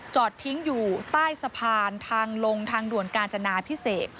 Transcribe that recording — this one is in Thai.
ทิ้งอยู่ใต้สะพานทางลงทางด่วนกาญจนาพิเศษ